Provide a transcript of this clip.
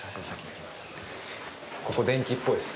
ここ電気っぽいです。